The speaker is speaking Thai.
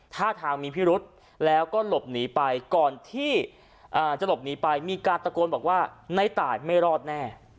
ท่าทางมีพิรุธแล้วก็หลบหนีไปก่อนที่จะหลบหนีไปมีการตะโกนบอกว่าในตายไม่รอดแน่